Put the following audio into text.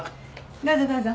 どうぞどうぞ。